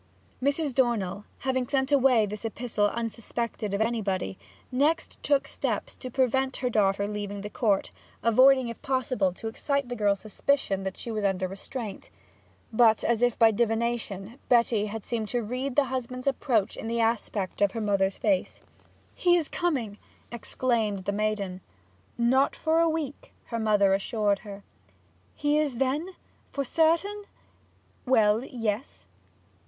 Mrs. Dornell, having sent away this epistle unsuspected of anybody, next took steps to prevent her daughter leaving the Court, avoiding if possible to excite the girl's suspicions that she was under restraint. But, as if by divination, Betty had seemed to read the husband's approach in the aspect of her mother's face. 'He is coming!' exclaimed the maiden. 'Not for a week,' her mother assured her. 'He is then for certain?' 'Well, yes.'